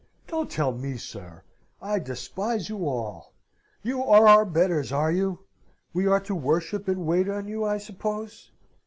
Don't tell me, sir! I despise you all! You are our betters, are you? We are to worship and wait on you, I suppose?